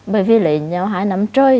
bởi vì lấy nhau hai năm trời